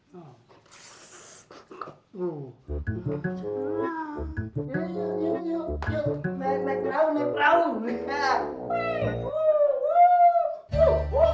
hai jangan cekko